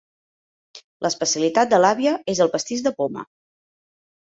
L'especialitat de l'àvia és el pastís de poma.